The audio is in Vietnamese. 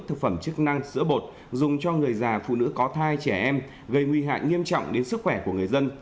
thực phẩm chức năng sữa bột dùng cho người già phụ nữ có thai trẻ em gây nguy hại nghiêm trọng đến sức khỏe của người dân